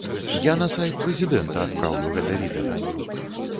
Я на сайт прэзідэнта адпраўлю гэта відэа.